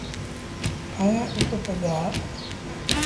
ائيٚݩ اُت پُڳآ۔